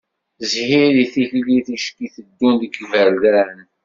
Zhir di tikli ticki teddun deg iberdan.